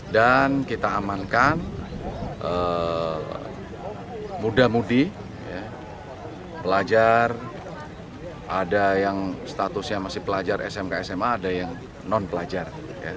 dan kita amankan muda mudi pelajar ada yang statusnya masih pelajar smk sma ada yang non pelajar